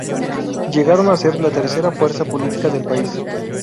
Llegaron a ser la tercera fuerza política del país.